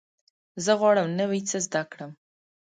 زه غواړم نوی څه زده کړم.